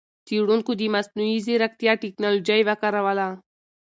څېړونکو د مصنوعي ځېرکتیا ټکنالوجۍ وکاروله.